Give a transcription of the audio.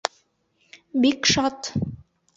Бик шат